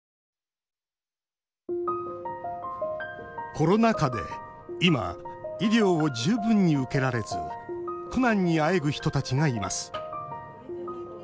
コロナ禍で今医療を十分に受けられず苦難にあえぐ人たちがいます。